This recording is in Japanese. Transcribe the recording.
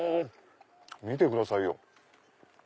見てくださいよ。